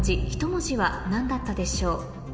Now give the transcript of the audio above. １文字は何だったでしょう？